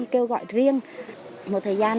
kêu gọi riêng một thời gian